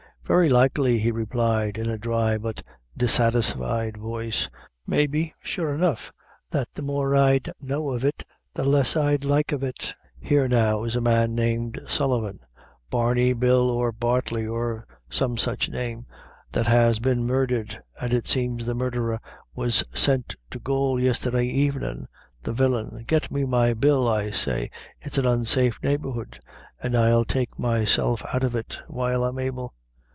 "Very likely," he replied, in a dry but dissatisfied voice; "maybe, sure enough, that the more I'd know of it, the less I'd like of it here now is a man named Sullivan Barney, Bill, or Bartley, or some sich name, that has been murdhered, an' it seems the murdherer was sent to gaol yestherday evenin' the villain! Get me my bill, I say, it's an unsafe neighborhood, an' I'll take myself out of it, while I'm able."